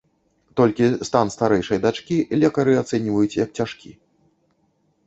Толькі стан старэйшай дачкі лекары ацэньваюць як цяжкі.